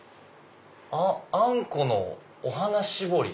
あんこのお花絞り。